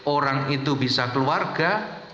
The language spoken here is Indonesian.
orang itu bisa keluarga